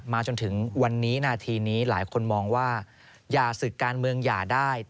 จนถึงวันนี้นาทีนี้หลายคนมองว่าอย่าศึกการเมืองอย่าได้